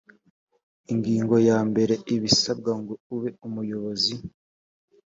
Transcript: ingingo ya mbere ibisabwa ngo ube umuyobozi